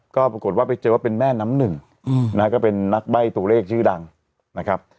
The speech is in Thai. ก็ปรากฏว่าไปเจอว่าเป็นแม่น้ำหนึ่งนะฮะก็เป็นนักใบ้ตัวเลขชื่อดังนะครับ